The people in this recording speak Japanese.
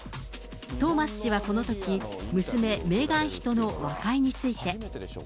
トーマス氏はこのとき、娘、メーガン妃との和解について。